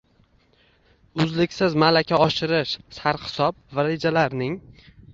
Uzluksiz malaka oshirish: sarhisob va rejalarng